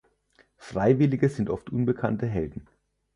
Freiwillige sind oft unbekannte Helden.